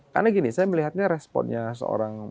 karena gini saya melihatnya responnya seorang